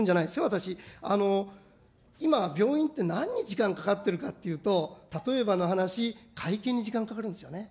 私、今、病院ってなんに時間かかってるかっていうと、例えばの話、会計に時間がかかるんですよね。